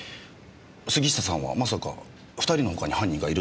杉下さんはまさか２人の他に犯人がいるとでも？